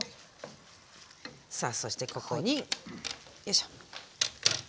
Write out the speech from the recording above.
さあそしてここによいしょ。